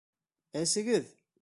Әсегеҙ!